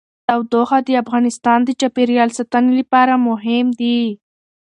تودوخه د افغانستان د چاپیریال ساتنې لپاره مهم دي.